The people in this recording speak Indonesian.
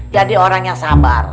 jadi orang yang sabar